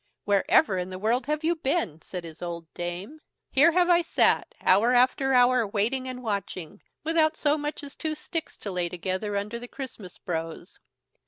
"Wherever in the world have you been?" said his old dame, "here have I sat hour after hour waiting and watching, without so much as two sticks to lay together under the Christmas brose."